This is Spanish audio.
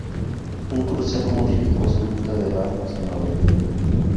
Un crucero modificó su ruta de Bahamas a Nueva York.